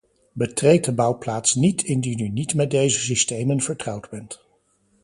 Betreed de bouwplaats niet indien u niet met deze systemen vertrouwd bent.